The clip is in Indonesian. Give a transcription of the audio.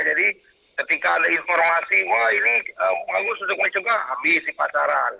jadi ketika ada informasi wah ini bagus cukup cukup habis di pacaran